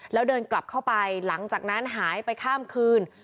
แล้วเดินกลับเข้าไปหลังจากนั้นหายไปข้ามคืน